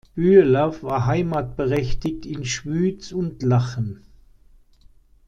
Büeler war heimatberechtigt in Schwyz und Lachen.